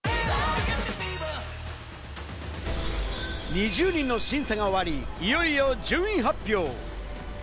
２０人の審査が終わり、いよいよ順位発表。